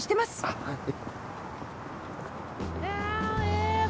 あっはい。